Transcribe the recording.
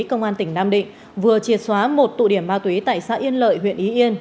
công an tỉnh nam định vừa triệt xóa một tụ điểm ma túy tại xã yên lợi huyện y yên